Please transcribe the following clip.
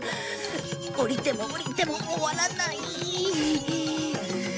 下りても下りても終わらない。